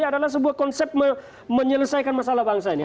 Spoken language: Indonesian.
adalah sebuah konsep menyelesaikan masalah bangsa ini